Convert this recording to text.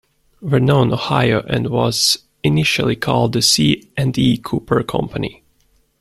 Vernon, Ohio and was initially called the C and E Cooper Company.